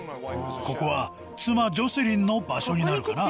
ここは妻・ジョセリンの場所になるかな。